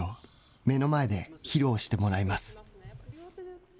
目の前で披露してもらいます。